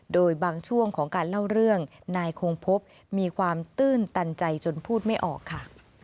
โดยบางช่วงของการเล่าเรื่องนายคงพบมีความตื้นตันใจจนพูดไม่ออกค่ะ